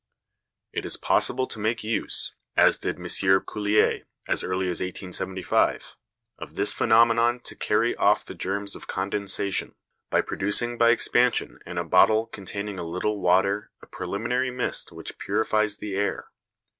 It is possible to make use, as did M. Coulier as early as 1875, of this phenomenon to carry off the germs of condensation, by producing by expansion in a bottle containing a little water a preliminary mist which purifies the air.